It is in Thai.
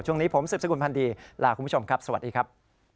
ช่วงนี้ผมสืบสกุลพันธ์ดีลาคุณผู้ชมครับสวัสดีครับ